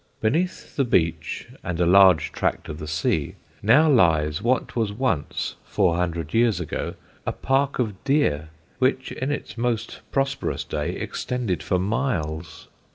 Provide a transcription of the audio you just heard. Beneath the beach and a large tract of the sea now lies what was once, four hundred years ago, a park of deer, which in its most prosperous day extended for miles.